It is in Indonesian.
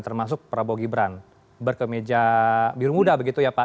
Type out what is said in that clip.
termasuk prabowo gibran berkemeja biru muda begitu ya pak